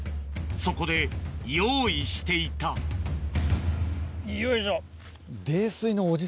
そこで用意していたよいしょ。